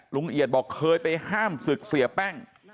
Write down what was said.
เอียดบอกเคยไปห้ามศึกเสียแป้ง